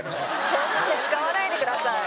そんな手使わないでください。